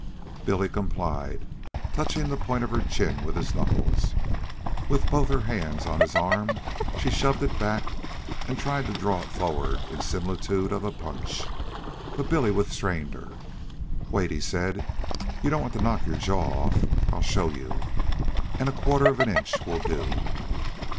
Billy complied, touching the point of her chin with his knuckles. With both her hands on his arm, she shoved it back and tried to draw it forward sharply in similitude of a punch. But Billy withstrained her. "Wait," he said. "You don't want to knock your jaw off. I'll show you. A quarter of an inch will do."